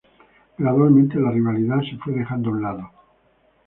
Gradualmente, la rivalidad se fue dejando a un lado.